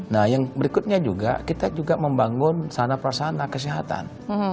nah yang berikutnya juga kita juga membangun sarana perasana kesehatan